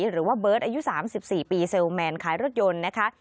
หรือว่าเบิร์ตอายุ๓๔ปีเซลแมนขายรถยนต์นะคะ